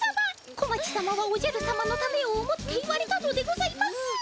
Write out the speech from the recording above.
小町様はおじゃる様のためを思って言われたのでございます。